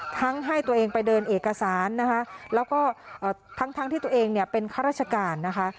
ให้ตัวเองไปเดินเอกสารนะคะแล้วก็ทั้งที่ตัวเองเนี่ยเป็นข้าราชการนะคะ